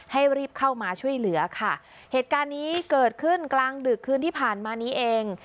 ให้รีบเข้ามาช่วยเหลือค่ะเหตุการณ์นี้เกิดขึ้นกลางดึกคืนที่ผ่านมานี้เอง